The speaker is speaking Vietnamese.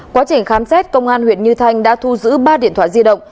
quá trình khám xét công an huyện như thanh đã thu giữ ba điện thoại di động